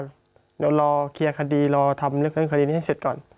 เดี๋ยวรอเคลียร์คดีรอทำเรื่องคดีนี้ให้เสร็จก่อน